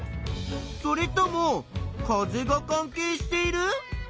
それとも風が関係している？